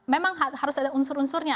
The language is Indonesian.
memang harus ada unsur unsurnya